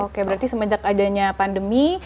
oke berarti semenjak adanya pandemi